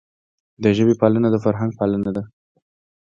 د ژبي پالنه د فرهنګ پالنه ده.